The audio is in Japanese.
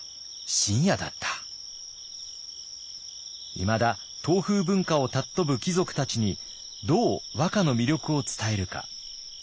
いまだ唐風文化を尊ぶ貴族たちにどう和歌の魅力を伝えるか。